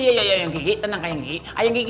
ya kiki gak tau makanya cepetan kesini bantuin kiki